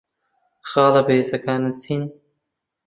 خاڵە بەهێزەکانت چین؟